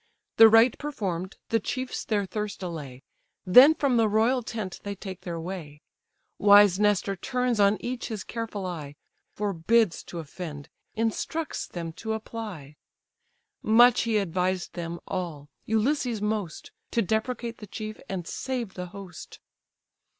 The rite perform'd, the chiefs their thirst allay, Then from the royal tent they take their way; Wise Nestor turns on each his careful eye, Forbids to offend, instructs them to apply; Much he advised them all, Ulysses most, To deprecate the chief, and save the host.